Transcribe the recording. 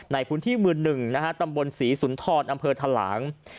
ในภูมิที่มือหนึ่งตำบลศรีสุนทรอำเภอทะหลัง